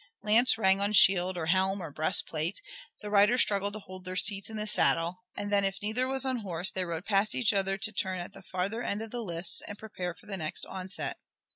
Lance rang on shield or helm or breastplate, the riders struggled to hold their seats in the saddle, and then if neither was unhorsed they rode past each other to turn at the farther end of the lists, and prepare for the next onset.